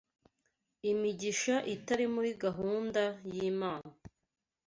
imigisha itari muri gahunda y’Imana.